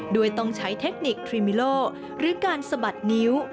ด้วยต้องใช้เทคนิคทรีมิโลหรือการสะบัดนิ้ว